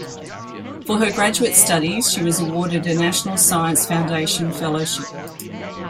For her graduate studies she was awarded a National Science Foundation fellowship.